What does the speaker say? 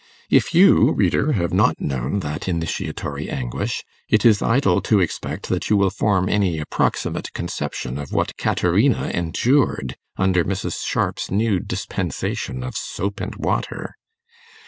If you, reader, have not known that initiatory anguish, it is idle to expect that you will form any approximate conception of what Caterina endured under Mrs. Sharp's new dispensation of soap and water.